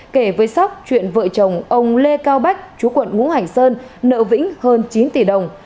kể với sóc chuyện vợ chồng ông lê cao bách chú quận ngũ hành sơn nợ vĩnh hơn chín tỷ đồng